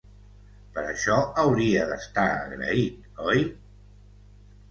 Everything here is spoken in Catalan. Per això hauria d'estar agraït, oi?